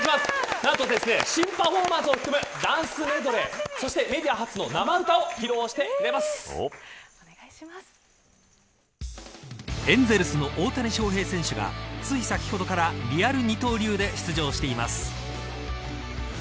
何と新パフォーマンスを含むダンスメドレーメディア初の生歌をエンゼルスの大谷翔平選手がつい先ほどからリアル二刀流で出場しています。